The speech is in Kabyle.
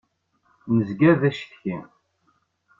Nezga d acetki.